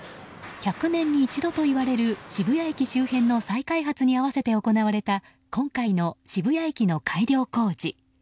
百年に一度といわれる渋谷駅周辺の再開発に合わせて行われた今回の渋谷駅の改良工事。